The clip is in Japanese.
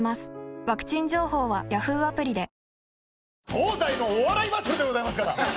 東西のお笑いバトルでございますから！